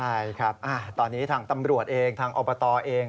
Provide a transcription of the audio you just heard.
ใช่ครับตอนนี้ทางตำรวจเองทางอบตเอง